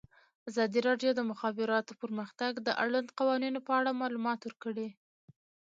ازادي راډیو د د مخابراتو پرمختګ د اړونده قوانینو په اړه معلومات ورکړي.